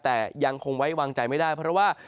แต่ยังคงไว้วางใจไม่ได้เพราะว่า